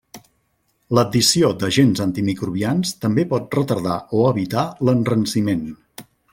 L'addició d'agents antimicrobians també pot retardar o evitar l'enranciment.